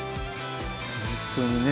ほんとにね